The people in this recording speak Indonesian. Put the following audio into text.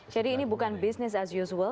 jadi ini bukan bisnis as usual